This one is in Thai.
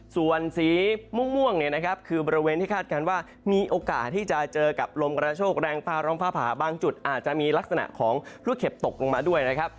ส่วนสีม่วงเนี่ยนะครับคือบริเวณที่คาดการณ์ว่ามีโอกาสที่จะเจอกับลมกระโชคแรงฟ้าร้องฟ้าผ่าบางจุดอาจจะมีลักษณะของลูกเห็บตกลงมาด้วยนะครับ